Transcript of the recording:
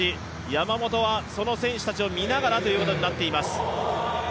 山本はその選手たちを見ながらということになっています。